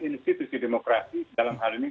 institusi demokrasi dalam hal ini